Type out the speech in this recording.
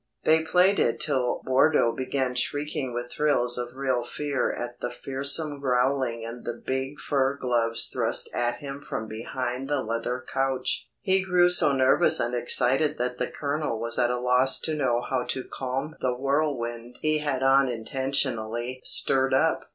They played it till Wardo began shrieking with thrills of real fear at the fearsome growling and the big fur gloves thrust at him from behind the leather couch. He grew so nervous and excited that the Colonel was at a loss to know how to calm the whirlwind he had unintentionally stirred up.